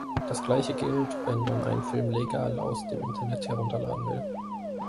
Das Gleiche gilt, wenn man einen Film legal aus dem Internet herunterladen will.